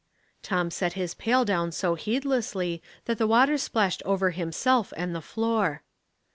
Tom set his pail down so heedlessly that the water splashed over himself and the floor.